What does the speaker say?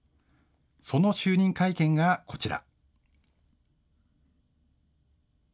その就任会見がこちら。